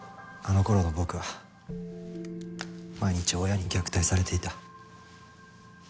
あの頃の僕は毎日親に虐待されていた。